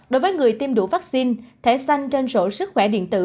đối với người tiêm đủ vaccine thẻ xanh trên sổ sức khỏe điện tử